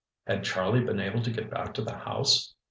Had Charlie been able to get back to the house?